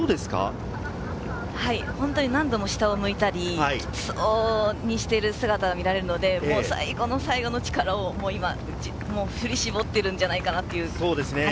何度も下を向いたり、きつそうにしている姿が見られるので、最後の最後の力を今、振り絞っているんじゃないかなという走りです。